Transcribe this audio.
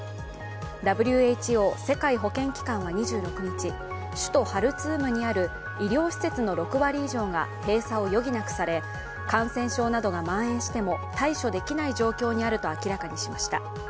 ＷＨＯ＝世界保健機関は２６日、首都ハルツームにある医療施設の６割以上が閉鎖を余儀なくされ、感染症などがまん延しても対処できない状況にあると明らかにしました。